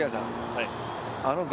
はい。